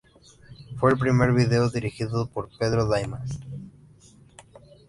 Fue el primer video dirigido por Pedro Damian.